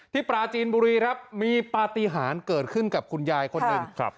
ปราจีนบุรีครับมีปฏิหารเกิดขึ้นกับคุณยายคนหนึ่งครับ